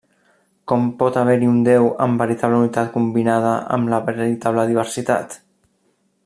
Com pot haver-hi un Déu amb veritable unitat combinada amb la veritable diversitat?